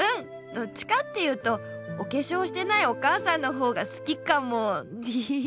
どっちかっていうとおけしょうしてないお母さんのほうがすきかもでへへへ。